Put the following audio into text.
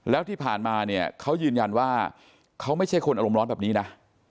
แล้วที่ผ่านมาเนี่ยเขายืนยันว่าเขาไม่ใช่คนอารมณ์ร้อนแบบนี้นะ